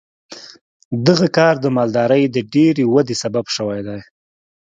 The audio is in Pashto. دغه کار د مالدارۍ د ډېرې ودې سبب شوی دی.